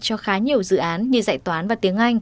cho khá nhiều dự án như dạy toán và tiếng anh